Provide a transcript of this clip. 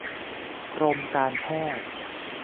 กรมการแพทย์